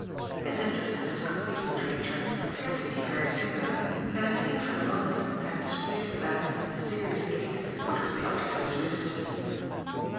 His interest in this complete stranger appeared to me very singular, and it seemed for the moment to have displaced that in the mysterious case which was the object of his visit to me.